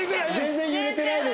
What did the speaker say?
全然揺れてないです。